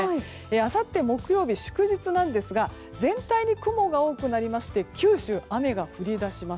あさって木曜日、祝日なんですが全体に雲が多くなりまして九州、雨が降り出します。